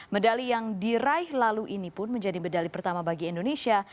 medali yang diraih lalu ini pun menjadi medali pertama bagi indonesia